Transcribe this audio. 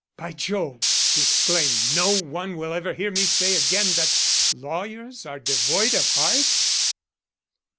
"By Jove!" he exclaimed, "no one will ever hear me say again that lawyers are devoid of heart?"